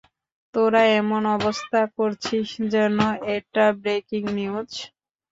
তোরা এমন অবস্থা করছিস যেন এটা ব্রেকিং নিউজ।